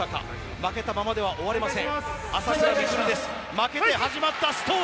負けたままでは終われません。